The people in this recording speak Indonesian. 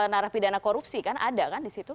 narapidana korupsi kan ada kan disitu